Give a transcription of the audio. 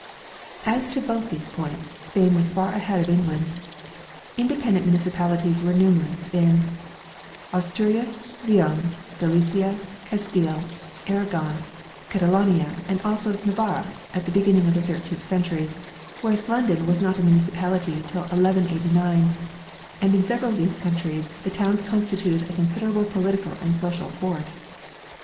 As to both these points, Spain was far ahead of England. Independent municipalities were numerous in Asturias, Leon, Galicia, Castile, Aragon, Catalonia,, and also Navarre at the beginning of the thirteenth century ; whereas London was not a municipality till 1189; and in several of these countries the towns, constituted a considerable political and social force..